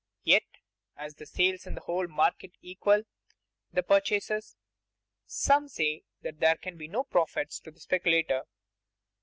Yet as the sales in the whole market equal the purchases, some say that there can be no profits to the speculator.